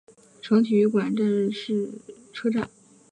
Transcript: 省体育馆站是一个岛式月台车站。